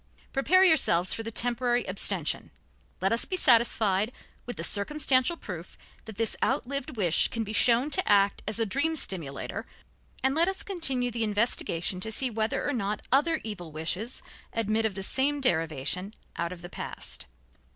Prepare yourselves for the temporary abstention. Let us be satisfied with the circumstantial proof that this outlived wish can be shown to act as a dream stimulator and let us continue the investigation to see whether or not other evil wishes admit of the same derivation out of the past.